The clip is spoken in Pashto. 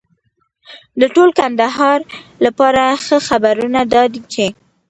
د ټول کندهار لپاره ښه خبرونه دا دي چې